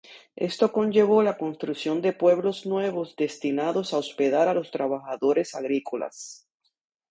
Esto conllevó la construcción de pueblos nuevos destinados a hospedar a los trabajadores agrícolas.